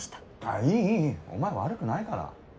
いいいいお前悪くないから。